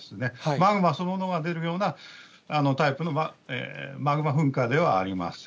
マグマそのものが出るようなタイプのマグマ噴火ではありません。